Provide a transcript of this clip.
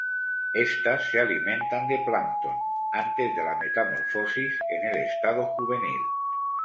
Estas se alimentan de plancton, antes de la metamorfosis en el estado juvenil.